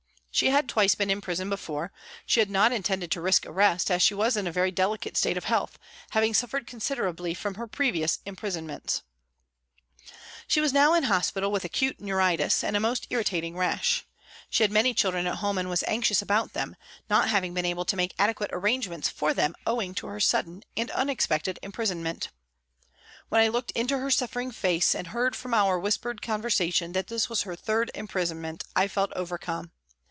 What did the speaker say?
She had twice been in prison before ; she had not intended to risk arrest as she was in a very delicate state of health, having suffered considerably from her previous imprisonments. She was now in hospital with acute neuritis and a most irritating rash. She had many children at home and was * This bill, I believe, was passed in Norway, with some alterations. P. K 130 PRISONS AND PRISONERS anxious about them, not having been able to make adequate arrangements for them owing to her sudden and unexpected imprisonment. When I looked into her suffering face and heard from our whispered con versation that this was her third imprisonment I felt overcome.